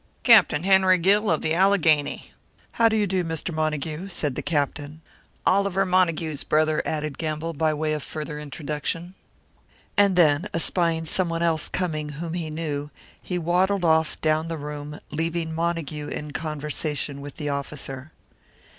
"Captain Henry Gill, of the Allegheny." "How do you, Mr. Montague?" said the Captain. "Oliver Montague's brother," added Gamble, by way of further introduction. And then, espying someone else coming whom he knew, he waddled off down the room, leaving Montague in conversation with the officer.